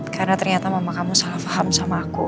karena ternyata mama kamu salah faham sama aku